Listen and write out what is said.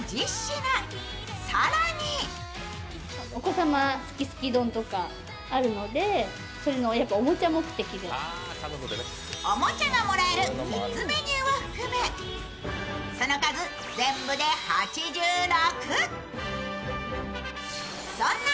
そんなすき家、人気の理由はおもちゃがもらえるキッズメニューを含めその数、全部で８６。